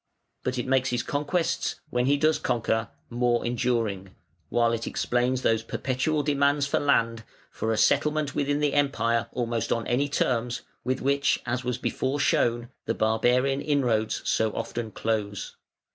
But it makes his conquests, when he does conquer, more enduring, while it explains those perpetual demands for land, for a settlement within the Empire, almost on any terms, with which, as was before shown, the barbarian inroads so often close.